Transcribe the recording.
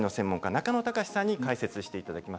中野貴司さんに解説していただきます。